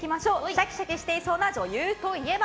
シャキシャキしてそうな女優といえば？